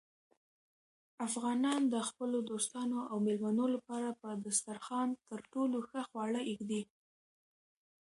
افغانان د خپلو دوستانو او مېلمنو لپاره په دسترخوان تر ټولو ښه خواړه ایږدي.